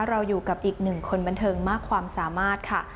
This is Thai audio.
เราอยู่กับอีกหนึ่งคนบันเทิงมากความสามารถค่ะ